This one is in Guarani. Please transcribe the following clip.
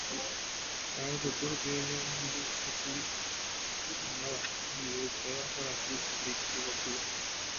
Ka'arupytũ rupi oñotỹkuri iména ndive upéva kuarahy reike gotyo.